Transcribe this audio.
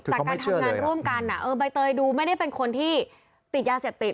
จากการทำงานร่วมกันใบเตยดูไม่ได้เป็นคนที่ติดยาเสพติด